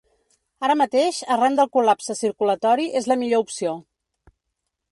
Ara mateix, arran del col·lapse circulatori, és la millor opció.